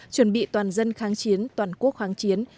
chuẩn bị toàn dân kháng chiến toàn quốc kháng chiến